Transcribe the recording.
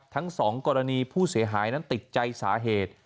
ทั้งสองกรณีผู้เสียหายนั้นติดใจสาเหตุ